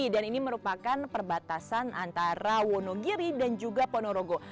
dan ini merupakan perbatasan antara wonogiri dan juga ponorogo